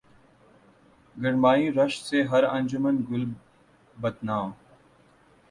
گرمئی رشک سے ہر انجمن گل بدناں